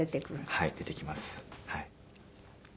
はい。